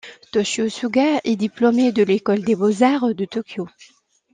Toshio Suga est diplômé de l'École des beaux-arts de Tokyo.